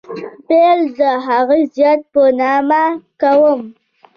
پیل د هغه ذات په نامه کوم.